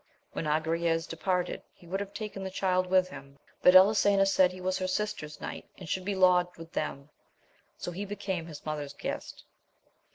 When Agrayes departed he would have taken the Child with him, but Elisena said he was her sister's knight, and should be lodged with them. So he became his mother's guest.